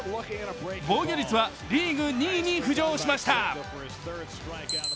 防御率はリーグ２位に浮上しました。